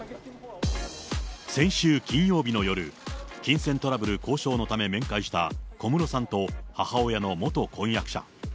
先週金曜日の夜、金銭トラブル交渉のため、面会した、小室さんと母親の元婚約者。